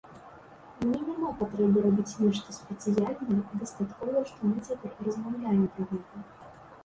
Мне няма патрэбы рабіць нешта спецыяльнае, дастаткова, што мы цяпер размаўляем пра гэта.